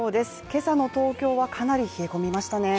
今朝の東京はかなり冷え込みましたね。